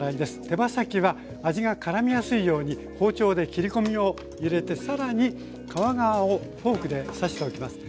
手羽先は味がからみやすいように包丁で切り込みを入れて更に皮側をフォークで刺しておきます。